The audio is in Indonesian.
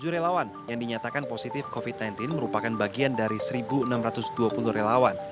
tujuh relawan yang dinyatakan positif covid sembilan belas merupakan bagian dari satu enam ratus dua puluh relawan